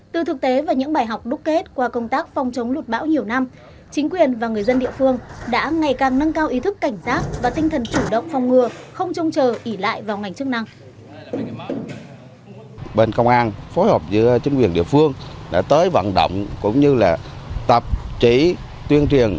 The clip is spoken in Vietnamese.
từ thực tế và những bài học đúc kết qua công tác phòng chống lụt bão nhiều năm chính quyền và người dân địa phương đã ngày càng nâng cao ý thức cảnh giác và tinh thần chủ động phòng ngừa không trông chờ ỉ lại vào ngành chức năng